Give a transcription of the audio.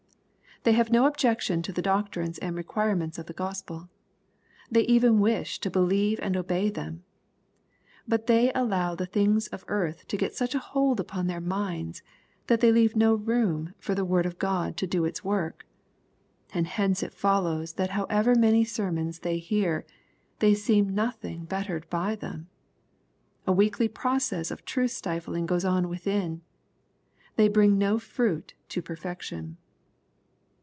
They have no objection to the doctrines and requirements of the Gos pel. They even wish to believe and obey them. But they allow the things of earth to get such hold upon tlaeir minds, that they leave no room for the word of God to do its work. And hence it follows that however ipany sermons they hear, they seem nothing bettered by them. A weekly process of truth stifling goes on within. They bripg po fruit to perfection.